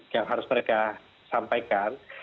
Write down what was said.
yang harus mereka sampaikan